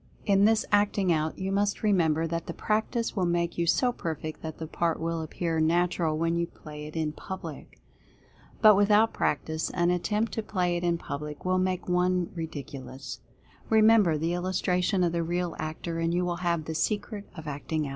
In this Acting Out, you must remember that the practice will make you so perfect that the part will appear natural when you play it in public. But with out practice, an attempt to play it in public will make one ridiculous. Remember the illustration of the real actor, and you will have the secret of Acting Out.